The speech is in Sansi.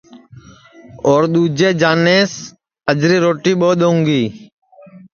اور دؔوجے جانیئس اجری روٹی ٻو دؔونگی